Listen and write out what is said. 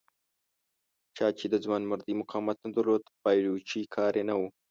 چا چې د ځوانمردۍ مقاومت نه درلود د پایلوچۍ کار یې نه و.